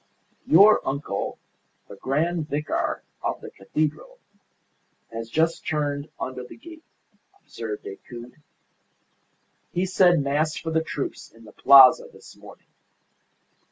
"Your uncle, the grand vicar of the cathedral, has just turned under the gate," observed Decoud. "He said Mass for the troops in the Plaza this morning.